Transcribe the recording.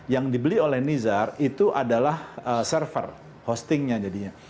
yang dibeli oleh nizar itu adalah server hostingnya jadinya